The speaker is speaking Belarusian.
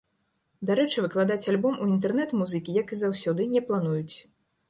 Дарэчы, выкладаць альбом у інтэрнэт музыкі, як і заўсёды не плануюць.